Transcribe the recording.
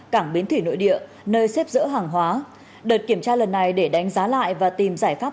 cảng biến thủy nội địa nơi xếp dỡ hàng hóa đợt kiểm tra lần này để đánh giá lại và tìm giải pháp